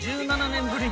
◆１７年ぶり？